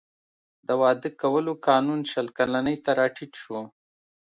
د واده کولو قانون شل کلنۍ ته راټیټ شو.